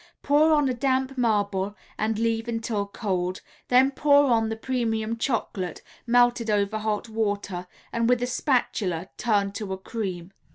pour on a damp marble and leave until cold; then pour on the Premium Chocolate, melted over hot water, and with a spatula turn to a cream.